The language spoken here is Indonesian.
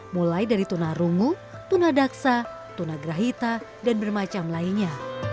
mulai dari tunah rungu tunah daksa tunah grahita dan bermacam lainnya